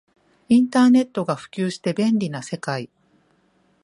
インターネットが普及して便利な世界